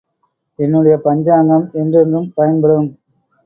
என்னுடைய பஞ்சாங்கம் என்றென்றும் பயன்படும்.